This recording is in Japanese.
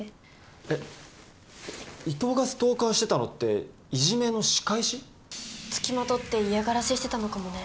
え伊藤がストーカーしてたのってイジメの仕返し？付きまとって嫌がらせしてたのかもね。